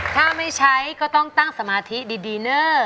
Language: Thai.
ถ้าไม่ใช้ก็ต้องตั้งสมาธิดีเนอร์